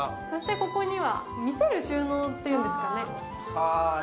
そしてここには見せる収納というんですかね。